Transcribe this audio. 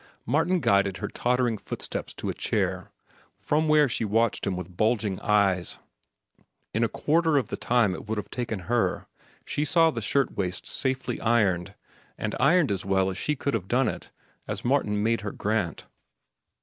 Martin guided her tottering footsteps to a chair, from where she watched him with bulging eyes. In a quarter of the time it would have taken her she saw the shirt waist safely ironed, and ironed as well as she could have done it, as Martin made her grant.